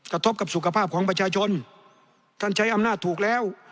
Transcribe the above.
กระทบกับสุขภาพของประชาชนท่านใช้อำนาจถูกแล้ว